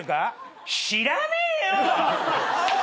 「知らねえよ！」ＯＫ！